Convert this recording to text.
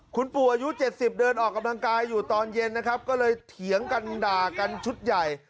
คุณปู่อายุ๗๐เดินออกกำลังกายอยู่ตอนเย็นนะครับก็เลยเถียงกันด่ากันชุดใหญ่